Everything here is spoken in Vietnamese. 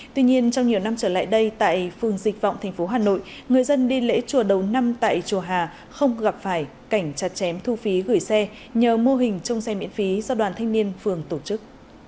tuy nhiên trong nhiều năm trở lại đây tại phường dịch vọng thành phố hà nội người dân đi lễ chùa đầu năm tại chùa hà không gặp phải cảnh chặt chém thu phí gửi xe nhờ mô hình trong xe miễn phí do đoàn thanh niên phường tổ chức